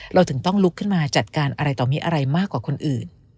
เราถึงต้องลุกขึ้นมาจัดการอะไรต่อมีอะไรมากกว่าคนอื่น